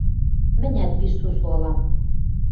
Мӹнят пиш сусу ылам.